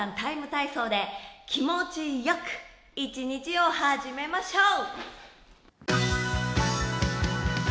ＴＩＭＥ，体操」で気持ちよく一日を始めましょう！